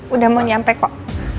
udah mau nyampe kok